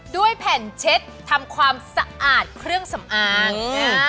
ด้วยแผ่นเช็ดทำความสะอาดเครื่องสำอาง